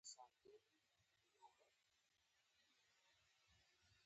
هغوی معمولأ د خپلو خویندو ورونو یا مور پلار سره وي.